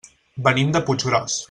Venim de Puiggròs.